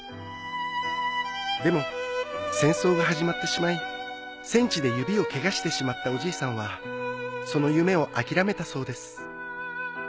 でも戦争が始まってしまい戦地で指をケガしてしまったおじいさんはその夢を諦めたそうです。